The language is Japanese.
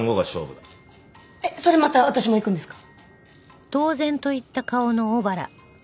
えっそれまた私も行くんですか？